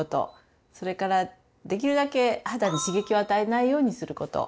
それからできるだけ肌に刺激を与えないようにすること。